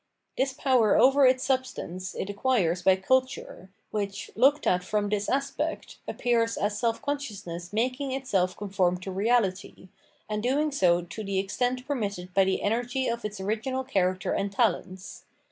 This power over its substance it acquires by culture, which, looked at from this aspect, appears as self consciousness making itself conform to reahty, and doing so to the extent permitted by the energy of its original character and talents.